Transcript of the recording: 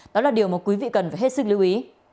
đó là điều mà quý vị cần phải hết sức lưu ý